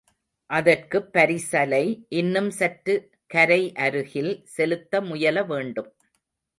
அதற்குப் பரிசலை இன்னும் சற்று கரை அருகில் செலுத்த முயல வேண்டும்.